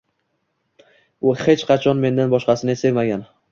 U hech qachon mendan boshqasini sevmagan